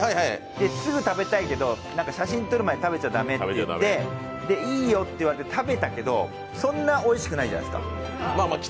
すぐ食べたいけど写真撮る前に食べちゃ駄目って言われていいよって言われて食べたけどそんなにおいしくないじゃないですか。